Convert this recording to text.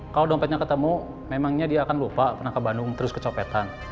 kalau dompetnya ketemu memangnya dia akan lupa pernah ke bandung terus kecopetan